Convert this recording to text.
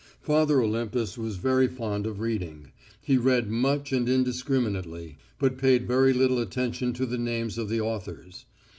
Father Olympus was very fond of reading; he read much and indiscriminately, but paid very little attention to the names of the authors.